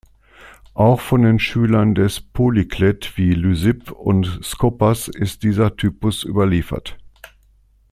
Auch von den Schülern des Polyklet wie Lysipp und Skopas ist dieser Typus überliefert.